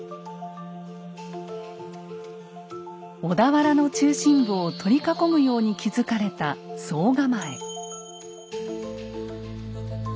小田原の中心部を取り囲むように築かれた総構。